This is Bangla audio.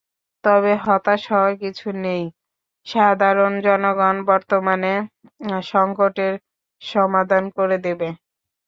তবে হতাশ হওয়ার কিছু নেই, সাধারণ জনগণই বর্তমান সংকটের সমাধান করে দেবে।